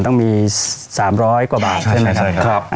ต้องมี๓๐๐กว่าบาทใช่ไหมครับ